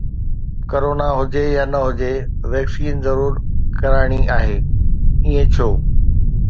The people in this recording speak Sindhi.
ڪرونا هجي يا نه هجي، ويڪسين ضرور ڪرائڻي آهي، ائين ڇو؟